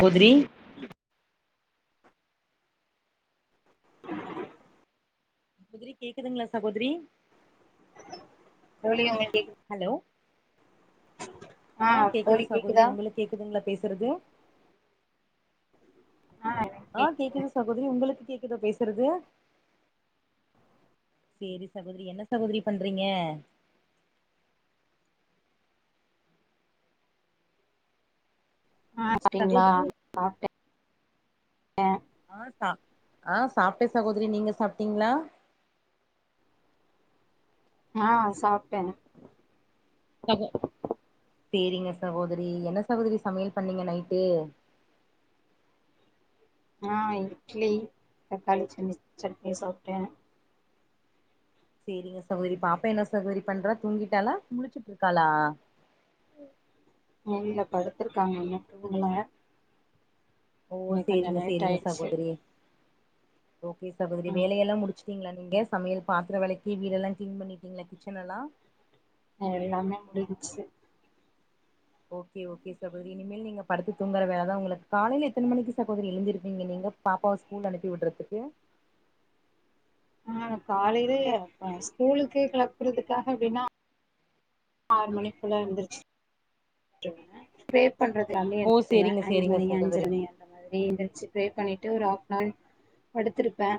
கோதிரி சகோதரி கேக்குதுங்ளா சகோதரி தோழி உங்களுக் கேக் ஹலோ ஆ கேக்குது தோழி கேக்குதா சாகோதரி உங்களுக் கேட்குதுங்ளா பேசுறது ஆ எனக்கு ஆ கேக்குது சகோதரி உங்களுக்கு கேக்குதா பேசுறது சேரி சகோதரி என்ன சகோதரி பண்றீங்க ஆ சாப்டிங்ளா சகோதரி ஆ சாப் ஆ சாப்டே சாகோதரி நீங்க சாப்படீங்ளா ஆ சாப்டே சேரிக சகோதரி என்ன சகோதரி சமையல் பண்ணீங்க நைட்டு ஆ இட்லி தக்காளி ச சட்னி சாப்டே சேரிங்க சகோதரி பாப்பா என்ன சகோதரி பண்றா தூங்கிட்டாலா முழுச்சுட்டு இருக்காளா உள்ள படுத்துருக்காங்க இன்னு தூங்கல ஓ இன்னைக்கு கொஞ்சோ சேரிங்க லேட் சேரிங்க ஆயிடுச்சு சகோதரி ஓகே சகோதரி ம் வேலையல்லா முடிச் சீங்ளா நீங்க சமையல் பாத்திர விலக்கி வீடெல்லா கிளீன் பண்ணிட்டீங்களா கிச்சன் எல்லா எல்லாமே முடிஞ்ச்சு ஓகே ஓகே சகோதரி இனிமேல் நீங்க படுத்து தூங்கற வேல தா உங்களுக் காலையில எத்தன மணிக்கு சகோதரி எழுஞ்சிருப்பீங்க நீங்க பாப்பாவ ஸ்கூல் அனுப்பி விட்றதுக்கு ஆ காலையிலே [inaudible] ஸ்கூலுக்கு கிளப்புறதுக்காக அப்டின்னா ஆறு மணிக்குள்ள எந்திருச்சு பண்றது [unintelligible] ஓ எஞ்சிடுவ சேரிங்க அஞ்சு சேரிங்க மணிகு அஞ்சர சகோதரி மணி அந்த மாரி எந்திரிச்சு ப்ரே பண்ணிட்டு ஒரு ஆஃப் நவர் படுத்திருப்பே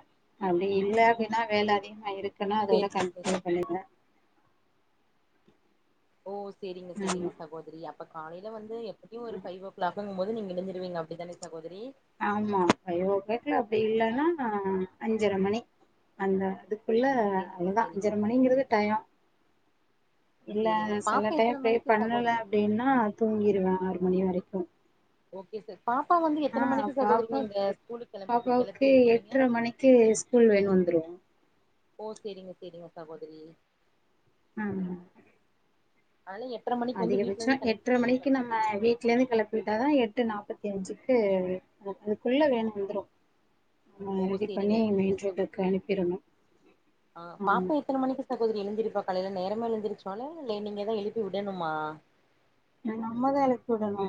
அப்டி இல்ல அப்டின்னா வேல அதிகமா இருக்குன்னா அதோட சேரிங்க சேரி கன்டினியூ பன்னிடுவ ஓ சேரிங்க சேரிங்க ஆமா சகோதரி அப்ப காலையில வந்து எப்டியு ஒரு ஃபைவ் ஓ கிளாக்குங் போது நீங்க எழுஞ்சிருவீங்க அப்டிதானே சகோதரி ஆமா ஃபைவ் ஓ கிளாக் அப்டி இல்லன்னா ஆ அஞ்சர மணி அந்த அதுக் குள்ள சேரிங்க அவ்ளோதா சேரிங்க அஞ்சர சகோதரி மணிங்கிறது டயோ இல்ல சேரிங்க சில பாப்பா டைம் எத்தன ப்ரே மணிக்கு சகோ பண்ணல அப்டின்னா தூங்கிருவே ஆறு மணி வரைக்கு ஓகே ச பாப்பா வந்து ஆ எத்தன மணிக்கு சகோதரி பாப்பா நீங்க ஸ்கூலுக் கிளம் கிளப்பி விடுவீங்க தே ஸ்கூல் வேன் வந்துரு ஓ சேரிங்க சேரிங்க சகோதரி ஆ ஆனா எட்ர மண் அதிகபட்சோ எட்ர மணிக்கு நம்ம வீ ட்லந்து கிளப்பிவிட்டாதா எட்டு நாப்பத் அஞ்சுக்கு அதுக்குள்ள வேன் வந்துரு ஓ நம்ம ரெடி சேரிங்க பண்ணி சேரிங்க மெயின் சகோதரி ரோட்டுக்கு அனுப்பிரணு ஆ ஆமா பாப்பா எத்தன மணிக்கு சகோதரி எழுந்திருப்பா காலையில நேரமா எழுந்திருச்சாலே இல்ல நீங்கதா எழுப்பி விடணுமா எங்க அம்மாதா எழுப்பி வுடணு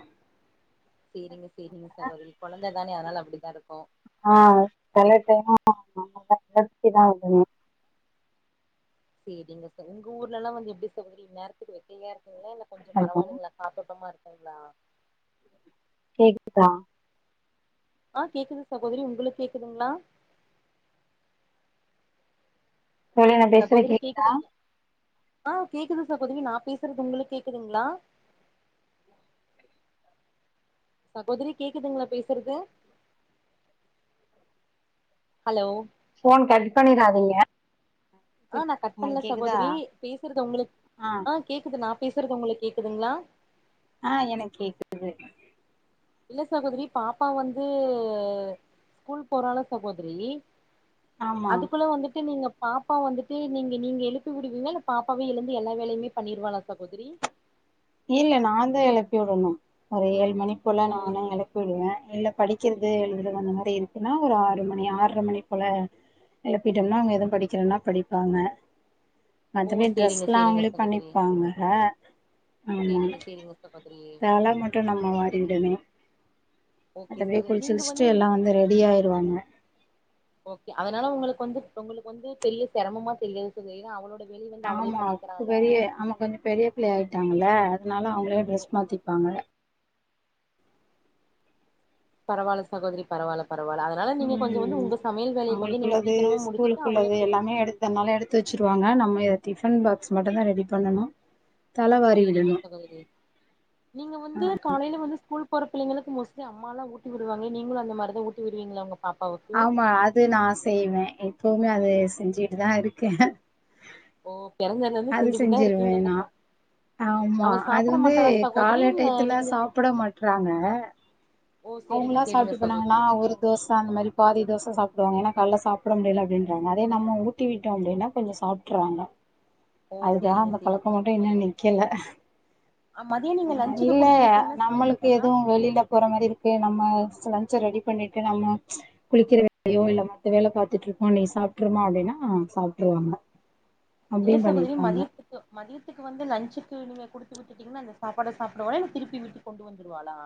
சேரிங்க சேரிங்க சகோதரி கொழந்தை தானே அதனால அப்டிதா இருக்கு ஆ காலை டைமா நம்ம தா எழுப்பிதா வுடணு சேரிங்க சகோ உங்கஊர்லல்லா வந்து எப்டி சகோதரி இன் நேரத்துக்கு வெக்கையா இருக்குங்ளா இல்ல கொஞ்சோ பரவால்லைங்ளா காத்தோட்டமா இருக்குங்ளா கேக்குதா ஆ கேக்குது சகோதரி உங்குளுக்கு கேக்குதுங்ளா தோழி நா பேசுறது கேக்குதா ஆ கேக்குது சகோதரி நா பேசுறது உங்குளுக்கு கேக்குதுங்ளா சகோதரி கேக்குதுங்களா பேசுறது ஹலோ ஃபோன் கட் பண்ணிராதீங்க ஆ நா கட் பண்ணல உங்களுக்கு கேக்குதா சகோதரி பேசுறது உங்களுக்கு ஆ கேக்குது நா பேசுறது உங்களுக்கு கேக்குதுங்களா ஆ எனக்கு கேக்குது இல்ல சகோதரி பாப்பா வந்து ஸ்கூல் போறால சகோதரி ஆமா அதுக்குள்ள வந்துட்டு நீங்க பாப்பா வந்துட்டு நீங்க நீங்க எழுப்பி விடுவீங்கலா இல்ல பாப்பாவே எழுந்து எல்லா வேலையுமே பண்ணிருவாளா சகோதரி இல்ல நா தா எழப்பி விடணும் ஒரு ஏழு மணி போல ஓ நானா எழு ப்பி விடுவே இல்ல படிக்கிறது எழுதுறது அந்த மாரி இருக்குன்னா ஒரு ஆறு மணி ஆற்ர மணி போல எழுப்பிட்டோம்னா அவங்க எதுவும் படிக்கிறதுனா படிப்பாங்க ஓ மத்தபடி சேரிங்க ட்ரெஸ்ல்லா சேரிங்க அவங்களே சகோதரி பண்ணிப்பாங்க ஆமா சேரிங்க சேரிங்க சகோதரி தல மட்டும் நம்ம வாரிவிடணும் ஓகே மத்தபடி சகோ நீங்க குளிச்சுளிச்சிட்டு எல்லாம் வந்து ரெடி ஆகிருவாங்க ஓகே அதனால உங்களுக்கு வந்து உங்களுக்கு வந்து பெரிய செரமமா தெரியாது சொல்ல ஏன்னா அவளோட வேலைய வந்து அவளே ஆமா பண்ணிக்கிறால பெரிய ஆமா கொஞ்சம் பெரிய பிள்ளை ஆயிட்டாங்கல்ல அதனால அவங்களே ஓ ட்ரெஸ் மாத்திப்பாங்க பரவால சகோதரி பரவால பரவால அத தனால நீங்க கொஞ்சோ வந்து ம் உங்க சமயல் வேலய கொஞ்சம் நீங்க சீக்கிரமா முடிச்சுட்டு அவளுக்கு இதனால எடுத்து வச்சிருவாங்க நம்ம இத டிபன் பாக்ஸ் மட்டுந்தா ரெடி பண்ணணு சேரிங்க சகோதரி நீங்க வந்து காலேல வந்து ஸ்கூல் போற பிள்ளைங்களுக்கு மோஸ்ட்லி அம்மால்லா ஊட்டிவிடுவாங்க நீங்களும் அந்த மாரிதா ஊட்டி விடுவீங்கள உங்க பாப்பா ஆமா அது நா செய்வே எப்பவுமே அது செஞ்சுட்டுதா இருக்கே ஓ பெறந்தலந்து செஞ்சுட்டுதா இருக்கீங்க செஞ்சிருவேன் நான் ஆமா அவ அது சாப்பிட வந்து மாட்டாளா சகோதரி கால இல்ல டயத்துல நீங்க சாப்பிட மாட்றாங்க ஓ சேரிங்க அவங்களா சேரிங்க சாப்ட்டு போனாங்களா சகோதரி ஒரு தோச அந்த மாரி பாதி தோச சாப்படுவாங்க ஏனா கலேல சாப்பிட முடியல அப்படின்றாங்க அத நம்ம ஊட்டிவிட்டோம் அப்டின்னா கொஞ்சம் சாப் பிட்றாங்க ஓ அதுதா சேரிங்க அந்த சேரி பழக்கம் சேரி மட்டும் இன்னும் சகோதரி நிக்கல ஆ மதிய நீங்க லஞ்சுக்கு இல்ல குடுத்து விட்டீங்கன்னா நம்மளுக்கு சாப்ட்டுப்பாளா எதுவும் வெளியில போற மாரி இருக்கு க்கே நம்ம லஞ்ச ரெடி பண்ணிட்டு நம்ம குளிக்கிற வேலயோ இல்ல மத்த வேல பாத்துட்டு இருக்கோ நீ சாப்பிட்டுருமா அப்டின்னா அவ சாப்பிட்ருவாங்க இல்ல சகோதரி மதியத்துக்கு மதியத்துக்கு வந்து லஞ்சுக்கு நீங்க குடுத்து விட்டுட்டீங்கன்னா அந்த சாப்பாட சாப்பிடடுவ திருப்பி வீட்டுக்கு கொண்டு வந்துடுவாளா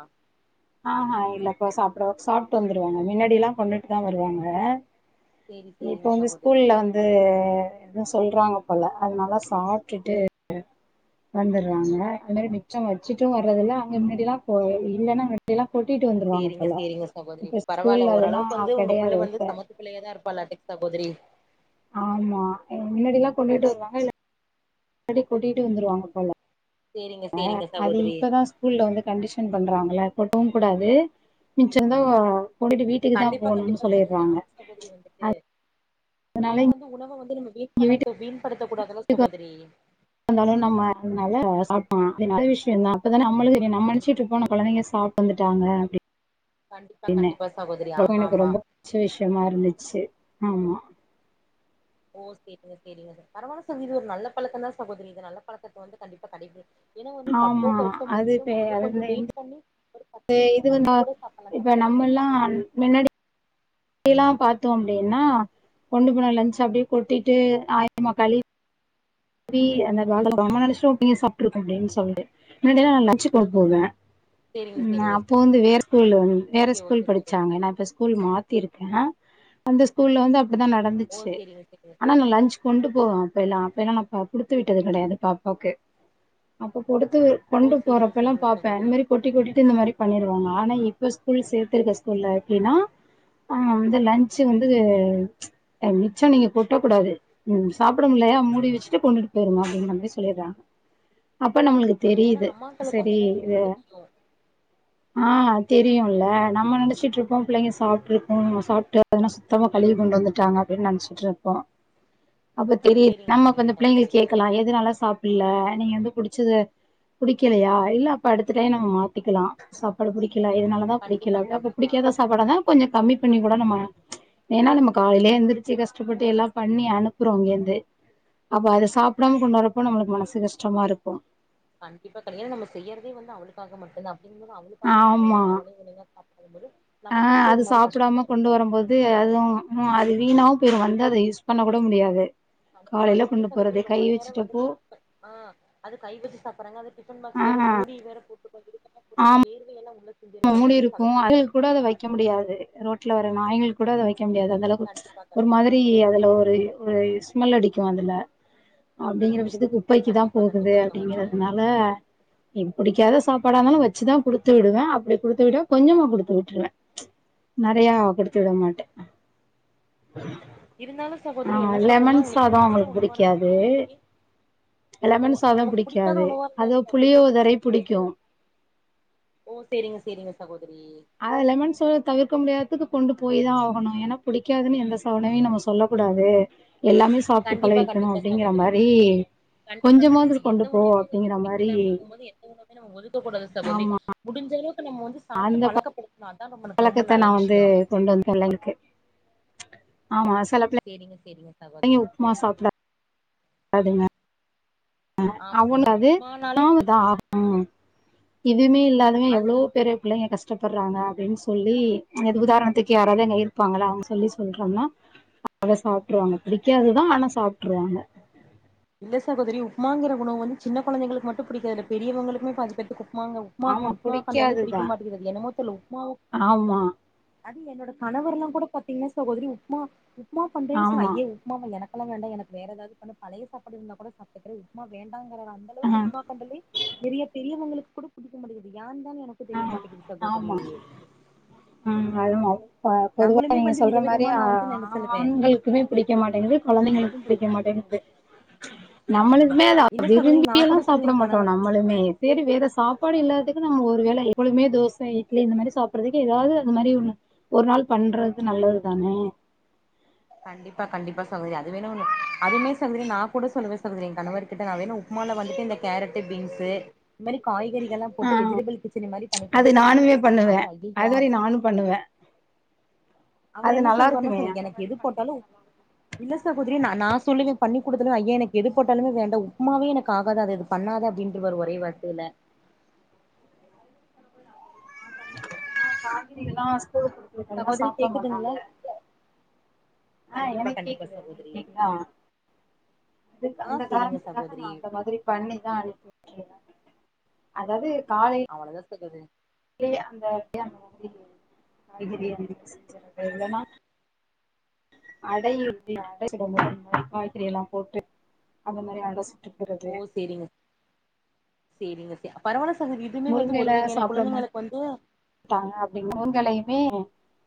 ஆ ஆ இல்ல இப்ப சாப்பிட சாப்பிட்டு வந்துருவாங்க மின்னாடி எல்லாம் கொண்டுட்டு தா வருவாங்க சேரி இப்ப சேரிங்க வந்து சகோதரி ஸ்கூல்ல வந்து ந்து எதும் சொல்றாங்க போல அதுனால சாப்ட்டுட்டு வந்துடுறாங்க அந்த மாதிரி மிச்சம் வச்சுட்டும் வர்றது இல்ல அங்க முன்னாடிலாம் போ இல்லைன்னா டில்லா கொட்டிட்டு வந்துருவாங்க சேரிங்க போல சேரிங்க சகோதரி இப்ப ஸ்கூல்ல அதெல்லா கெடையாது இப்ப ட்டுக் குள்ளயே தா இருப்பாளாட்டுக்கு சகோதரி ஆமா முன்னாடி எல்லாம் கொண்டுட்டு வருவாங்க இல்ல முன்னாடி கொட்டிட்டு வந்துருவாங்க போல சேரிங்க ஆ சேரிங்க அது சகோதரி இப்பதா ஸ்கூல்ல வந்து கண்டிஷன் பண்றாங்கள கொட்டவும் கூடாது மிச்சருந்தா கொண்டுட்டு வீட்டுக்கு தா கண்டிப்பா போனுன்னு கண்டிப்பா சகோதரி சொல்லிடுறாங்க ஆமா சகோதரி வந்துட்டு ஏன்னா அதனால வந்து உணவ வந்து நம்ம வீன் இங்க பண்ண வீன்படுத் கூடாதுல சகோதரி இருந்தாலு நம்ம அதனால சாப்ட்டா அது நல்ல விஷய தான அப்பதா நம்மளுக்கு நம்ம நினச்சிட்டு இருப்போ நம்ம கொழந்தங்க சா வந்துட்டாங்க அப்டி கண்டிப்பா கண்டிப்பா சகோதரி அப்ப ஆமா எனக்கு ஆமா ரொம்ப புடிச்ச விஷயமா இருந்துச்சு ஆமா ஓ சரிங்க சரிங்க சா பரவால சகோதரி இது ஒரு நல்ல பழக்கம் தா சகோதரி இது நல்ல பழக்கத்த வந்து கண்டிப்பா கடைபி ஏன்னா வந்து தப்போ ஆமா கரெக்டோ அது முடியுதோ இப்ப முடியலோ கொஞ்ச அது வெயிட் இந்த பண்ணி ஒரு பத்து நிமிஷ இது வந்து கழிச்சு கூட சாப்ட்லா இப்ப தப்பு கிடையாது முன்னாடி ல்லா பாத்தோ அப்டின்னா கொண்டு போன லன்ச்ச அப்டியே கொட்டிட்டு ஆயமா கழிவி [unintelligible] மாதிரி நம்ம நெனச்சோ புள்ளைங்க சாப்ட்ருக்கும் அப்டின்னு சொல்லுட்டு முன்னாடில்ல நா லன்ச்சு கொண்டு போவ சேரிங்க ம் சேரிங்க அப்போ சகோ வந்து வேற ஸ்கூல் வேற ஓகே ஓகே ஸ்கூல் சகோதரி படிச்சாங்க இப்ப ஸ்கூல் மாத்திருக்க அந்த ஸ்கூல்ல வந்து அப்டிதா ஓ நடந்துச்சு சேரிங்க சேரிங்க ஆனா நா சகோதரி லன்ச் கொண்டு போவ அப்பல்லா அப்ப எல்லா நா குடுத்து விட்டது கிடையாது பாப்பாவுக்கு அப்ப குடுத்து ஓ கொண்டு சேரிங்க போறப்பல்லா சேரிங்க பாப்ப இந்த சகோதரி மாரி கொட்டி கொட்டிட்டு இந்த மாரி பண்ணிடுவாங்க ஆனா இப்ப ஸ்கூல் சேர்த்திருக்க ஸ்கூல்ல எப்டின்னா ஆ வந்து லன்ச்சு வந்து மிச்ச நீங்க கொட்டக் கூடாது சாப்ட முடிலயா மூடி வச்சு கொண்டுட்டு போயிருங்க அப்டிங்கற மாதிரி சொல்லிடுறாங்க அப்ப நம்மளுக்கு ஏன்னா தெரியுது அம்மாக்களுக்கு சரி அப்பதா வந்து இது தெரியு அ தெரியும்ல நம்ம நெனச்சுட்டு இருப்போ பிள்ளைங்க சாப்டுருக்கு நம்ம சாப்ட்டு அதனா சுத்தமா கழுவி கொண்டு வந்துட்டாங்க அப்டின்னு நெனச்சுட்டு இருப்போ அப்ப தெரியுது சேரிங்க நம்ம சேரிங்க அந்த பிள்ளைங்கள சகோதரி கேட்கலா எதுனால சாப்புடல நீங்க வந்து புடிச்சத புடிக்கலயா இல்ல அப்ப அடுத்த டைம் நம்ம மாத்திக்கலா சாப்பாடு பிடிக்கல இதனால த கண்டிப்பா புடிக்கல கண்டிப்பா அப்பப்பிடிக்காத சாப்பாடா இருந்தா கொஞ்ச கம்மி பண்ணி கூட நம்ம ஏன்னா நம்ம காலையிலயே எந்திருச்சு கஷ்டப்பட்டு எல்லா பண்ணி அனுப்புறோ இங்கருந்து அப்ப அத சாப்டாம கொண்டு வரப்ப நம்மளுக்கு மனசு கஷ்டமா இருக்கு கண்டிப்பா தோழி ஏன்ணா நம்ம செய்யறதே வந்து அவளுக்காக மட்டும்த அப்டிங்க போது அவளுக்காக பண்ண ஆமா உணுவு அவளே [unintelligible] வரும் போது ஆ நமக்கு வந்து ஒரு அது மாரி கஷ்டமா சாப்டாம கொண்டு இருக்கு வரும் போது து அதுவும் அது வீணாவும் போயிரும் வந்து அத யூஸ் பண்ண கூட முடியாது கண்டிப்பா காலைல அது வந்து கொண்டு போறது சகோதரி கை ரொம்ப நேர வச்சுட்டப்போ வந்துட்டு ஆ அது கை வச்சு சாப்டுறாங்க அது டிஃபன் ஆ பாக்ஸ் வேற மூடி வேற போட்டு [unintelligible] போட்டு ஆமா வேர்வை எல்லாம் உ மூடி இருக்கும் அடில் கூட அத வைக்க முடியாது ரோட்ல வர நாய்ங்களுக்கு கூட அத வைக்க முடியாது அந்தளவுக்கு கண்டிப்பா ஒரு கண்டிப்பா மாதிரி அதுல ஒரு ஒரு ஸ்மெல் அடிக்கும் அதுல அப்டிங்கிற பட்சத்துக்கு குப்பைக்கு தா கண்டிப்பா போகுது கண்டிப்பா சகோதரி அப்டிங்கறதுனால ல நீ பிடிக்காத சாப்பாடா இருந்தாலும் வச்சுதா குடுத்து விடுவ அப்டி குடுத்து விட கொஞ்சமா கொடுத்து விட்டுருவ நெறையா குடுத்து விட மாட்ட இருந்தாலு சகோதரி என்ன ஆ சொல்றதுன்னா லெமன் அவுங்களுக்கு சாதம் பிடிக்காத அவங்களுக்கு உணவா இருந்த புடிக்காது சகோதரி ஓ லெமன் சாதம் நமக்கு பிடிக்காத புடிக்காது உணவா இருந்தாலு அது சகோதரி புளியோதரை புடிக்கு ஓ செரிங்க செரிங்க சகோதரி அத லெமன் சோற தவிர்க்க முடியாததுக்கு கொண்டு போய் தா ஆகணும் ஏன்னா புடிக்காதுன்னு எந்த சோறையும் நம்ம சொல்லக் கூடாது எல்லாமே சாப்ட்டு கண்டிப்பா பழகிக்கணும் கண்டிப்பா அப்டிங்கிற சகோதரி மாதிரி கண்டிப்பா கண்டிப்பா எந்த ஒரு உணவுமே வந்து மாரி பிடிக்கல அப்டிங்கும்போது எந்த உணவயு நம்ம ஒதுக்ககூடாது சகோதரி ஆமா முடிஞ்சளவுக்கு நம்ம வந்து சாப்ட்டு அந்த பழக்கப்படுத்னாதா நம்ளுக்கு ரொம்ப பழக்கத்த நல்ல நா வந்து விஷயோ கொண்டு வந்து எல்லா இருக்கு ஆமா செல பிள்ள சேரிங்க சேரிங்க அங்யு சகோதரி உப்மா சாப்ட [inaudible] டாதுங்க ஆமா அவல் சகோதரி அது உப்மானாலே [unintelligible] இதுமே இல்லாமே அது எவ்ளோ பேரு பிள்ளைங்க கஸ் கஷ்டப்படுறாங்க அப்டின் சொல்லி அது உதாரணத்துக்கு யாராவது அங்க இருப்பாங்கள அவங்க சொல்லி சொல்றாங்கனா அத சாப்ட்ருவாங்க புடிக்காதுதா ஆனா சாப்ட்ருவாங்க இல்ல சகோதரி உப்மாங்கிற உணவு வந்து சின்ன கொழந்தைகளுக்கு மட்டு பிடிக்காதுல்ல பெரியவங்களுக்குமே பாதிப்பேத்துக்கு உப்புமாங் உப்மா ஆமா உப்மா கண்டாலே புடிக்காதுதா பிடிக்க மாட்டேங்கது என்னமோ தெர்ல உப்மாவ ஆமா அது என்னோட கணவரல்லா கூட பாத்தீங்கன்னா சகோதரி உப்மா உப்மா பண்றே சொன்னா ஆமா ஐய்யே உப்மாவா எனக்கெலா வேண்டா எனக்கு வேறதாவது பண்ணு பழைய சாப்பாடு இருந்தா கூட சாப்ட்டுக்றே உப்மா வேண்டாங்கிற அந்த [unintelligible] ஆ உப்மா கண்டாலே பெரிய பெரியவங்களுக்கு கூட புடிக்க மாட்டுக்குது ஏ தா எனக்கு [unintelligible] ஆ தெரிய மாட்டிங்குது சகோதரி ஆமா ம் அதுமா பொதுவா நம்மளுமே நீங்க வந்து சொல்ற மாரி விதவிதமா நா வந்து நென சொல்லுவே ஆண்கள் [unintelligible] பிடிக்க மாட்டேங்குது கொழந்தைங்களுக்கு பிடிக்க மாட்டேங்குது நம்மளுக்குமே அத இல்ல சகோதரி நா விரும்பியல்லா கூட சொல்லுவே சாப்ட என் மாட்டோ கணவர் நம்மளுமே சரி வேற சாப்பாடு இல்லாதுக்கு நம்ம ஒரு ஒரு வேள எப்பொழுதுமே தோச இட்லி இந்த மாரி சாப்றதுக்கு எதாது இந்த மாரி [unintelligible] ஒரு நாள் பண்றது நல்லது தான கண்டிப்பா கண்டிப்பா சகோதரி அது வேணு அதுமே சகோதரி நா கூட சொல்வே சகோதரி எ கணவர்கிட்ட நா வேணா உப் உப்மால வந்துட்டு இந்த கேரட்டு பீன்ஸு இது மாரி காய்கறிகள்லா போட்டு வெஜிடபிள் கிச்சடி மாரி பண்ணி தரே அது சொல்லுவே நானுமே பண்ணுவே அவரு ஐயைய அது மாரி அதல்லா நானு பண்ணுவே அவர் அது என்ன நல்லா சொல்லுவாருனா இருக்குமே சகோதரி எனக்கு எது போட்டாலு இல்ல சகோதரி நா சொல்லுவே பண்ணி குடுத்தறவே ஐயே எனக்கு எது போட்டாலுமே வேண்டா உப்மாவே எனக்கு ஆகாது அது பண்ணாது அப்டின்ருவாரு ஒரே வார்த்தைல [unintelligible] காய்கறிகள்லா ஸ்கூல் குடுக் சகோதரி கேக்குதுங்ளா அ எனக்கு கேக்குது உங்களுக் சகோதரி கேக்குதா அதுக் ஆ அந்த செரிங்க காரணத்துக்காக சகோதரி நா அந்த மாதிரி பண்ணிதா அனுப்பி விட்ருவே அதாது காலை அவளதா சகோதரி [unintelligible] அந்த அப்ப [inaudible] வந்து காய்கறி மிக்சி ஜார் இல்லன்னா அடை இருக்ல அடை சுடுவோம்ல [unintelligible] காய்கறி எல்லா போட்டு அந்த மாரி அட சுட் ஒ செரிங்க செரிங்க ச பரவால சகோதரி இதுமே வந்து ஒரு வகையான குழந்தைங்களுக் வந்து ட்டாங்க அப்டின் உங்களையிமே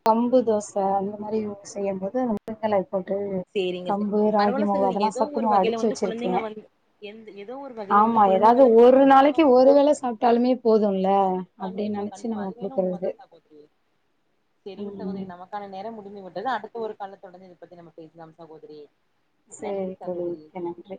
கம்பு தோச அந்த மாரி செய்யு போது அந்த முருங்க எல போட்டு செரிங்க ச கம்பு பரவால்ல ராகிமாவு சகோதரி அதெல்லா ஏதோ ஒரு சத்துமா வகையில அடிச்சு வந்து வச்சிருக்கே குழந்தைங்க வந்து எந்த ஏதோ ஒரு வகையில ஆமா வந்து ஏதாவது குழந்தைங்களுக்கு வந்து ஒரு அந்த உணவ நாளைக்கு வந்து ஒரு வேள சாப்டாலுமே போதும்ல அப்டின்னு கண்டிப்பா நெனச்சு கண்டிப்பா நம்ம அது வேணா உண்மதா குடுக்குறது சகோதரி சரிங் ம் சகோதரி ம். நமக் நமக்கான நேரோ முடிந்து விட்டது அடுத்த ஒரு கால தொடர்ந்து இத பத்தி நம பேசலா சகோதரி நன்றி சேரி தோழி சகோதரி மிக்க நன்றி